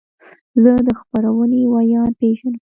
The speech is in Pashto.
زه د خپرونې ویاند پیژنم.